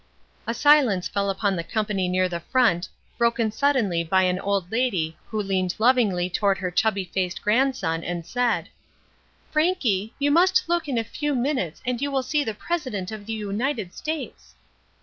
A silence fell upon the company near the front, broken suddenly by an old lady who leaned lovingly toward her chubby faced grandson, and said: "Frankie, you must look in a few minutes and you will see the President of the United States."